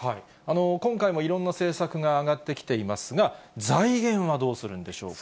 今回もいろんな政策が上がってきていますが、財源はどうするんでしょうか。